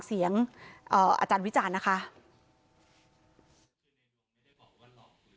หลอกหรือไม่หลอกด้วย